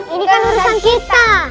ini kan urusan kita